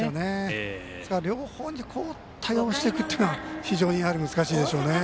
ですから、両方に対応していくというのは非常に難しいでしょうね。